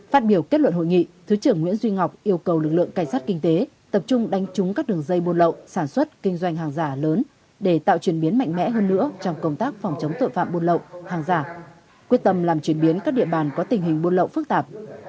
phát biểu kết luận hội nghị thứ trưởng nguyễn duy ngọc yêu cầu lực lượng cảnh sát kinh tế tập trung đánh trúng các đường dây buôn lậu sản xuất kinh doanh hàng giả lớn để tạo chuyển biến mạnh mẽ hơn nữa trong công tác phòng chống tội phạm buôn lộng hàng giả quyết tâm làm chuyển biến các địa bàn có tình hình buôn lậu phức tạp